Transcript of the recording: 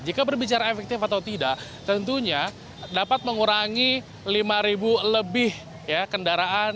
jika berbicara efektif atau tidak tentunya dapat mengurangi lima lebih kendaraan